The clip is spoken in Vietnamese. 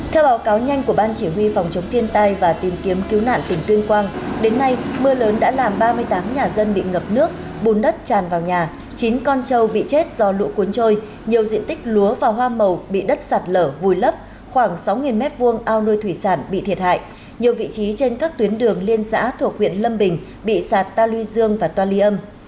theo báo cáo nhanh của ban chỉ huy phòng chống thiên tai và tìm kiếm cứu nạn tỉnh tuyên quang đến nay mưa lớn đã làm ba mươi tám nhà dân bị ngập nước bùn đất tràn vào nhà chín con trâu bị chết do lũ cuốn trôi nhiều diện tích lúa và hoa màu bị đất sạt lở vùi lấp khoảng sáu m hai ao nuôi thủy sản bị thiệt hại nhiều vị trí trên các tuyến đường liên xã thuộc huyện lâm bình bị sạt ta lui dương và toa ly âm